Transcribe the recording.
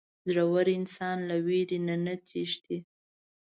• زړور انسان له وېرې نه تښتي.